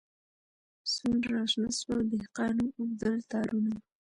سونډ راشنه سول دهقان و اوبدل تارونه